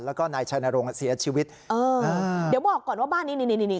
แล้วก็นายชัยนรงค์เสียชีวิตเออเดี๋ยวบอกก่อนว่าบ้านนี้นี่นี่นี่